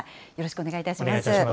お願いいたします。